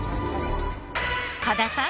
羽田さん